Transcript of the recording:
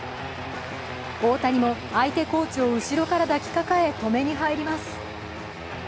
大谷も相手コーチを後ろから抱きかかえ、止めに入ります。